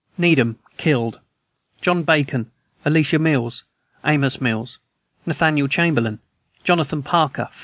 NEEDHAM. Killed: John Bacon, Elisha Mills, Amos Mills, Nathaniel Chamberlain, Jonathan Parker, 5.